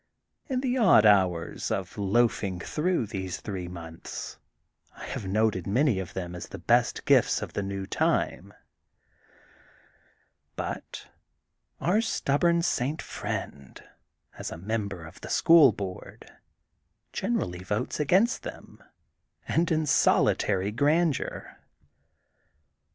In the odd hours of loafing through these three months I have noted many of them as of the best gifts of the new time. But our stubborn St. Friend, as a member of the school board, generally votes against them, and in solitary grandeur.